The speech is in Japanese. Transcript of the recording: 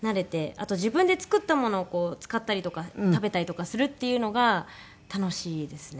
あと自分で作ったものを使ったりとか食べたりとかするっていうのが楽しいですね。